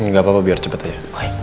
gak apa apa biar cepet aja